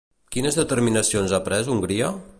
Quines determinacions ha pres Hongria?